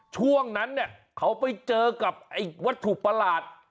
ช่วงนั้นเนี่ยเขาไปเจอกับไอ้วัตถุประหลาด